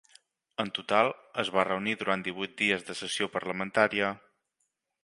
En total, es va reunir durant divuit dies de sessió parlamentària.